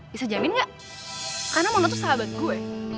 bisa jamin gak karena mona tuh sahabat gue